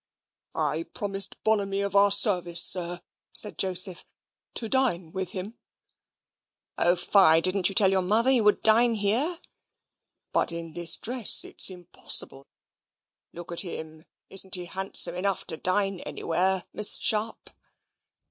"I promised Bonamy of our service, sir," said Joseph, "to dine with him." "O fie! didn't you tell your mother you would dine here?" "But in this dress it's impossible." "Look at him, isn't he handsome enough to dine anywhere, Miss Sharp?"